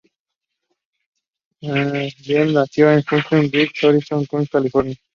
James nació en Huntington Beach, Orange County, California.